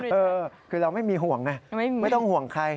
เออคือเราไม่มีห่วงไงไม่ต้องห่วงใคร